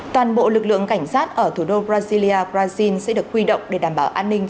toàn bộ lực lượng cảnh sát ở thủ đô brasilia brazil sẽ được huy động để đảm bảo an ninh